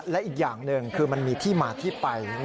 และอีกอย่างหนึ่งคือมันมีที่มาที่ไป